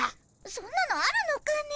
そんなのあるのかね。